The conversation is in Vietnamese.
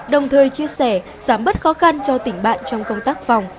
đồng thời chia sẻ giám bất khó khăn cho tỉnh bạn trong công tác phòng